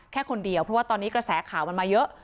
แค่คนเดียวเพราะว่าตอนนี้กระแสข่าวมันมาเยอะ